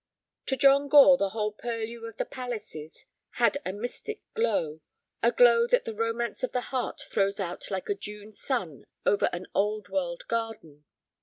To John Gore the whole purlieu of the palaces had a mystic glow—a glow that the romance of the heart throws out like a June sun over an Old World garden.